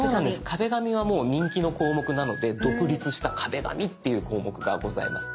「壁紙」はもう人気の項目なので独立した「壁紙」っていう項目がございます。